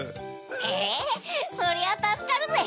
へぇそりゃあたすかるぜ！